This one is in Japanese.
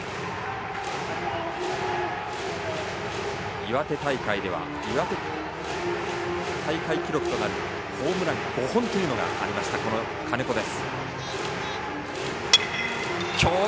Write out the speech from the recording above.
岩手大会では岩手大会記録となるホームランが５本があったこの金子です。